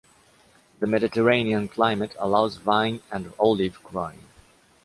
The Mediterranean climate allows vine and olive-growing.